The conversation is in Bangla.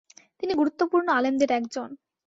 তিনি গুরুত্বপূর্ণ আলেমদের একজন।